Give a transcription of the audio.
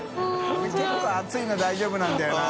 俺結構熱いの大丈夫なんだよな。